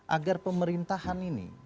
agar pemerintahan ini